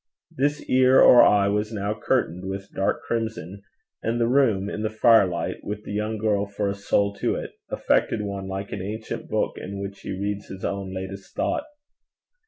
This ear or eye was now curtained with dark crimson, and the room, in the firelight, with the young girl for a soul to it, affected one like an ancient book in which he reads his own latest thought.